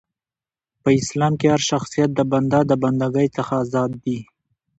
په اسلام کښي هرشخصیت د بنده د بنده ګۍ څخه ازاد دي .